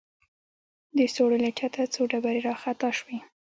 د سوړې له چته څو ډبرې راخطا سوې.